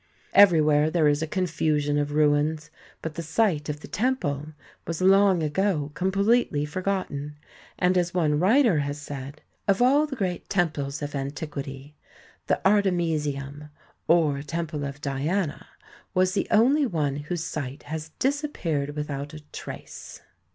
Everywhere there is a confusion of ruins, but the site of the temple was long ago completely forgotten, and as one writer has said: "Of all the great temples of antiquity, the Arte mesium, or temple of Diana, was the only one whose site has disappeared without a trace.